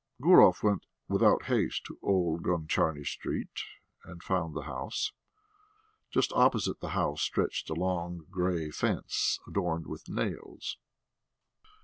Gurov went without haste to Old Gontcharny Street and found the house. Just opposite the house stretched a long grey fence adorned with nails.